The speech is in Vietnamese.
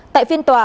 tại phiên tòa